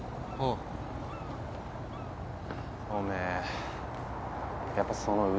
おめえやっぱその腕。